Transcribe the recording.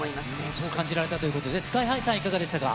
そう感じられたということで、ＳＫＹーＨＩさん、いかがでしたか。